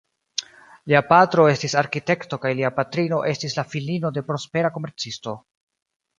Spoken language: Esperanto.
Lia patro estis arkitekto kaj lia patrino estis la filino de prospera komercisto.